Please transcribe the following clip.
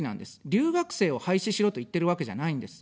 留学生を廃止しろと言ってるわけじゃないんです。